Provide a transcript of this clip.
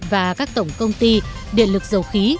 và các tổng công ty điện lực dầu khí